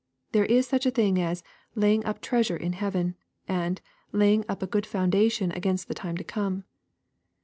There is such a thing as " laying up treasure in heaven," and "laying up a good foundation against the time to come."